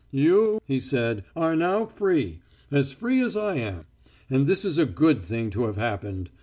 "You," he said, "are now free, as free as I am. And this is a good thing to have happened.